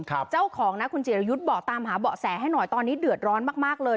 เจ้าของนะคุณจิรยุทธ์บอกตามหาเบาะแสให้หน่อยตอนนี้เดือดร้อนมากมากเลย